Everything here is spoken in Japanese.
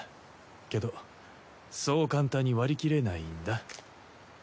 けどそう簡単に割り切れないんだ。